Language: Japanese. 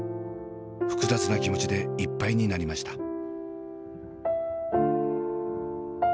複雑な気持ちでいっぱいになりました。